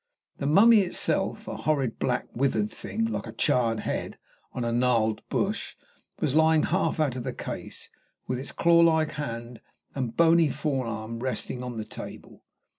The mummy itself, a horrid, black, withered thing, like a charred head on a gnarled bush, was lying half out of the case, with its clawlike hand and bony forearm resting upon the table.